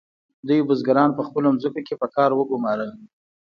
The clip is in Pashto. دوی بزګران په خپلو ځمکو کې په کار وګمارل.